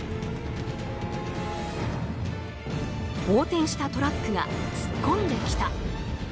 横転したトラックが突っ込んできた。